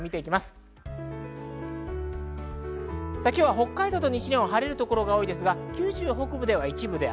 北海道と西日本は晴れる所が多いですが、九州北部では一部雨。